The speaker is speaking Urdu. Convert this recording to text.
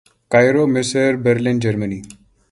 قاہرہ مصر برلن جرمنی